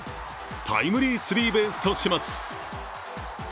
タイムリースリーベースとします。